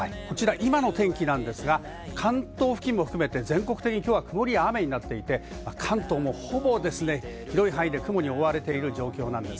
今の天気なんですが、関東付近も含めて全国的に曇りや雨になっていて、関東も、ほぼ広い範囲で雲に覆われています。